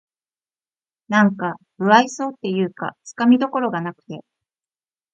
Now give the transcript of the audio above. なんか無愛想っていうかつかみどころがなくて